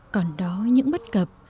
còn đó những bất cập